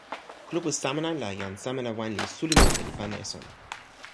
kulupu Samana la jan Samana wan li suli mute li pana e sona.